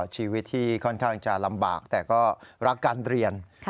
ชีวิตที่ค่อนข้างจะลำบากแต่ก็รักการเรียน